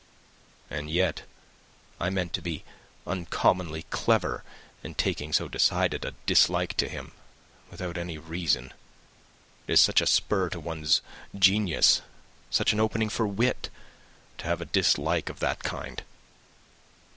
"And yet I meant to be uncommonly clever in taking so decided a dislike to him, without any reason. It is such a spur to one's genius, such an opening for wit, to have a dislike of that kind.